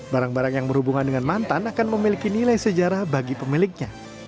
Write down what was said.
barang barang yang berhubungan dengan mantan akan memiliki nilai sejarah bagi pemiliknya